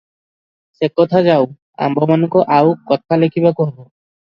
ସେ କଥା ଯାଉ, ଆମ୍ଭମାନଙ୍କୁ ଆଉ କଥା ଲେଖିବାକୁ ହେବ ।